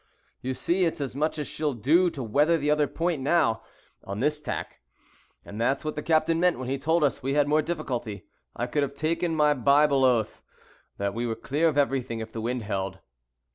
you see, it's as much as she'll do to weather the other point now, on this tack, and that's what the captain meant when he told us we had more difficulty. I could have taken my Bible oath that we were clear of everything, if the wind held."